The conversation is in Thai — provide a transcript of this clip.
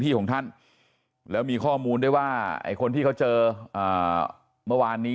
ของท่านแล้วมีข้อมูลด้วยว่าไอ้คนที่เขาเจอเมื่อวานนี้